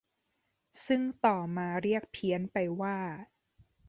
ซึ่งต่อมาเรียกเพี้ยนไปว่า